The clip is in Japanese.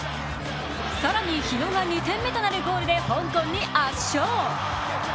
更に日野が２点目となるゴールで香港に圧勝。